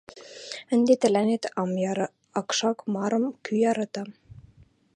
— Ӹнде тӹлӓнет ам яры, акшак марым кӱ арата.